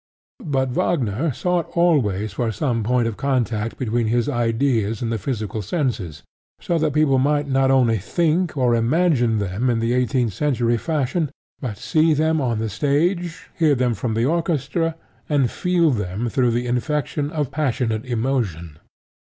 But Wagner sought always for some point of contact between his ideas and the physical senses, so that people might not only think or imagine them in the eighteenth century fashion, but see them on the stage, hear them from the orchestra, and feel them through the infection of passionate emotion.